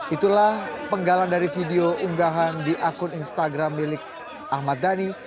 itulah penggalan dari video unggahan di akun instagram milik ahmad dhani